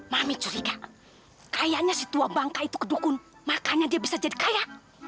mami curiga kayaknya si tua bangka itu kedukun makanya dia bisa jadi kaya